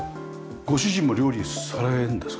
ご主人も料理されるんですか？